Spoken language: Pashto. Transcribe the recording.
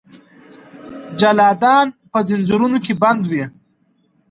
جلادان به ځنځیرونو کې بندي وي.